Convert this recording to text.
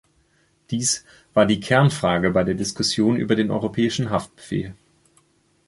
Dies war die Kernfrage bei der Diskussion über den europäischen Haftbefehl.